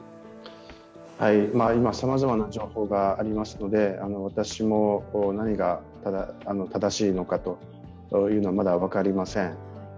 今、さまざまな情報がありますので私も何が正しいのかというのはまだ分かりません。